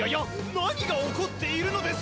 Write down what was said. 何が起こっているのです！？